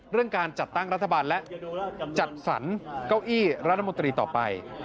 การจัดตั้งรัฐบาลและจัดสรรเก้าอี้รัฐมนตรีต่อไป